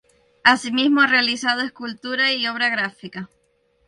Asimismo ha realizado escultura y obra gráfica.